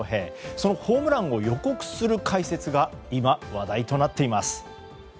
そのホームランを予告する解説が今、話題となっています。